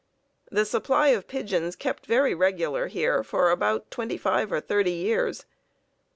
The supply of pigeons kept very regular here for about twenty five or thirty years.